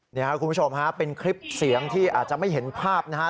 นี่ครับคุณผู้ชมฮะเป็นคลิปเสียงที่อาจจะไม่เห็นภาพนะฮะ